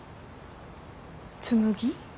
紬？